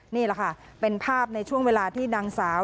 นี่แหละค่ะเป็นภาพในช่วงเวลาที่นางสาว